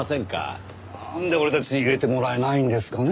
なんで俺たち入れてもらえないんですかね？